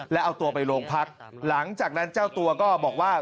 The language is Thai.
แล้วเอาตัวไปโรงพักหลังจากนั้นเจ้าตัวก็บอกว่า